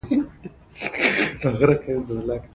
ازادي راډیو د کډوال په اړه په ژوره توګه بحثونه کړي.